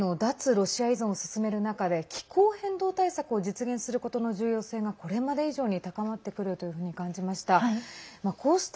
ロシア依存を進める中で気候変動対策を実現することの重要性が、これまで以上に高まってくるというふうに感じました。